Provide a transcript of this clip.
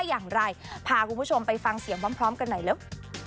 อย่างไรพาคุณผู้ชมไปฟังเสียงพร้อมกันหน่อยเร็ว